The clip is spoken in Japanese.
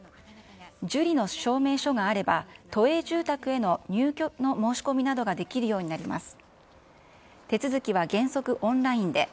受理の証明書があれば、都営住宅への入居の申し込みなどができるようになります。